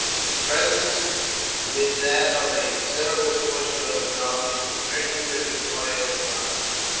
His presence, with that of a considerable portion of his army, was urgently required at Madras.